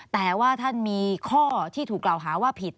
แต่ว่าท่านมีข้อที่ถูกกล่าวหาว่าผิด